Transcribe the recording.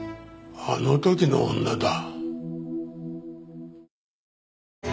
あの時の女だ。